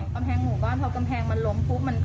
กำแพงหมู่บ้านพอกำแพงมันล้มปุ๊บมันก็